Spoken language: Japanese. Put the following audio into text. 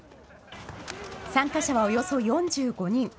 参加者はおよそ４５人。